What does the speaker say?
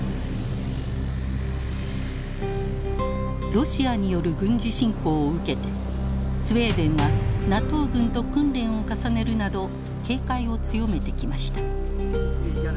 ロシアによる軍事侵攻を受けてスウェーデンはＮＡＴＯ軍と訓練を重ねるなど警戒を強めてきました。